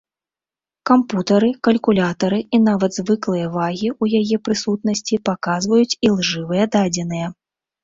Кампутары, калькулятары і нават звыклыя вагі ў яе прысутнасці паказваюць ілжывыя дадзеныя.